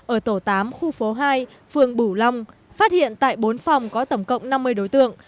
ở tổ tám khu phố hai phường bửu long phát hiện tại bốn phòng có tổng cộng năm mươi đối tượng